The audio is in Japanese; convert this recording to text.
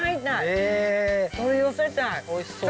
えおいしそう。